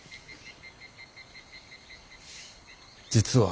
実は。